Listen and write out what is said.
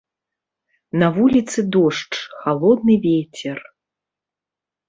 На вуліцы дождж, халодны вецер.